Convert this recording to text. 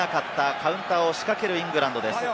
カウンターを仕掛けるイングランドです。